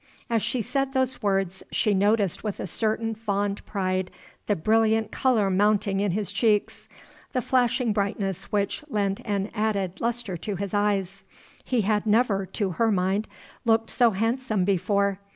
As she said those words she noticed with a certain fond pride the brilliant color mounting in his cheeks the flashing brightness which lent an added luster to his eyes. He had never, to her mind, looked so handsome before.